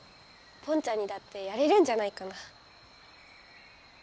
ポンちゃんにだってやれるんじゃないかな。